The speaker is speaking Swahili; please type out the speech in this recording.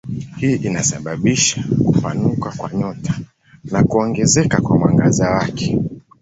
Hii inasababisha kupanuka kwa nyota na kuongezeka kwa mwangaza wake.